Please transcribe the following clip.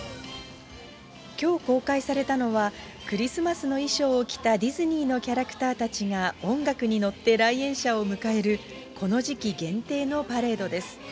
きょう公開されたのは、クリスマスの衣装を着たディズニーのキャラクターたちが音楽に乗って来園者を迎えるこの時期限定のパレードです。